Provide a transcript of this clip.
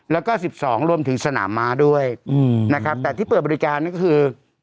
แล้วก็๑๒รวมถึงสนามม้าด้วยนะครับแต่ที่เปิดบริการก็คือ